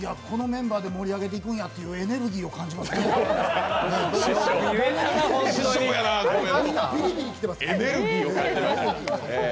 このメンバーで盛り上げていくんやってエネルギーを感じますね。